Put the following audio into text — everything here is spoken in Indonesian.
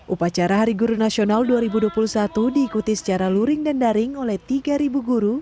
upacara hari guru nasional dua ribu dua puluh satu diikuti secara luring dan daring oleh tiga guru